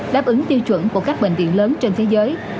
đáp ứng tiêu chuẩn của các bệnh viện lớn trên thế giới